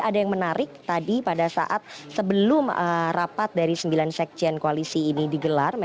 ada yang menarik tadi pada saat sebelum rapat dari sembilan sekjen koalisi ini digelar